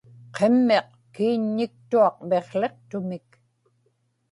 qimmiq kiiññiktuaq miqłiqtumik